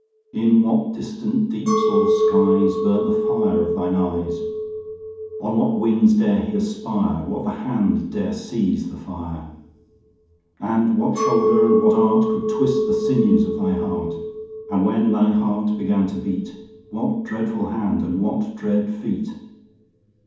In what distant deeps or skies 5 Burnt the fire of thine eyes? On what wings dare he aspire? What the hand dare seize the fire? And what shoulder and what art Could twist the sinews of thy heart? 10 And when thy heart began to beat, What dread hand and what dread feet?